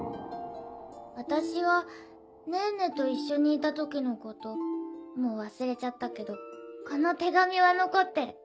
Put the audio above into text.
あたしはねぇねと一緒にいた時のこともう忘れちゃったけどこの手紙は残ってる。